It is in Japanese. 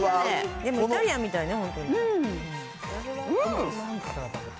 でもイタリアンみたいね、本当に。